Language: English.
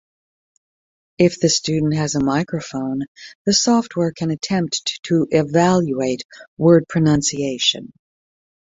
If the student has a microphone, the software can attempt to evaluate word pronunciation.